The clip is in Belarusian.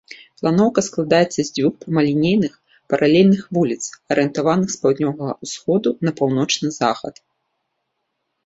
Планоўка складаецца з дзвюх прамалінейных, паралельных вуліц, арыентаваных з паўднёвага ўсходу на паўночны захад.